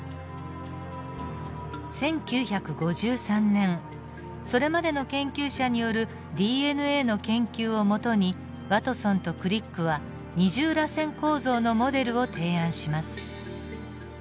１９５３年それまでの研究者によるＤＮＡの研究を基にワトソンとクリックは二重らせん構造のモデルを提案します。